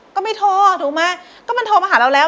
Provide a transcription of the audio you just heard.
ก็ไม่โทรถูกไหมเขามาหาเราแล้ว